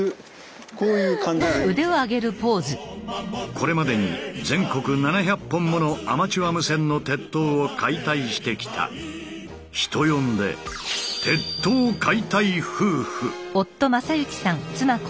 これまでに全国７００本ものアマチュア無線の鉄塔を解体してきた人呼んで「鉄塔解体夫婦」。